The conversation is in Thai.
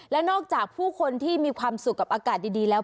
แล้วนอกจากผู้คนที่มีความสุขกับอากาศดีแล้ว